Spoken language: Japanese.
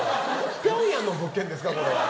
ピョンヤンの物件ですかこれ？